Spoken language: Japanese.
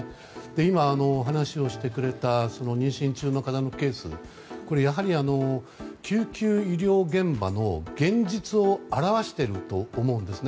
今、話をしてくれた妊娠中の方のケースはやはり救急医療現場の現実を表していると思うんです。